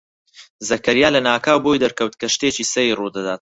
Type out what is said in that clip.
زەکەریا لەناکاو بۆی دەرکەوت کە شتێکی سەیر ڕوو دەدات.